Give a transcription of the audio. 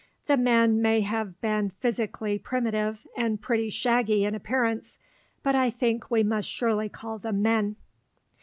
The men may have been physically primitive and pretty shaggy in appearance, but I think we must surely call them men.